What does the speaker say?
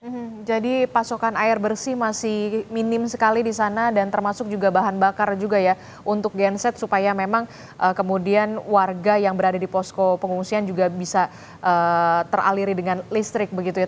hmm jadi pasokan air bersih masih minim sekali di sana dan termasuk juga bahan bakar juga ya untuk genset supaya memang kemudian warga yang berada di posko pengungsian juga bisa teraliri dengan listrik begitu ya